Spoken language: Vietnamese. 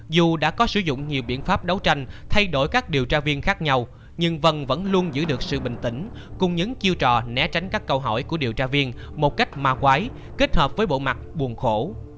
dù đã có sử dụng nhiều biện pháp đấu tranh thay đổi các điều tra viên khác nhau nhưng vân vẫn luôn giữ được sự bình tĩnh cùng những chiêu trò né tránh các câu hỏi của điều tra viên một cách ma quái kết hợp với bộ mặt buồn khổ